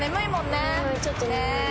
うんちょっと眠い。